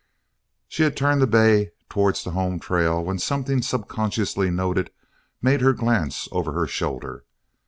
She had turned the bay towards the home trail when something subconsciously noted made her glance over her shoulder.